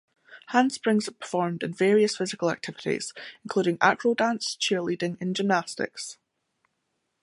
Handsprings are performed in various physical activities, including acro dance, cheerleading and gymnastics.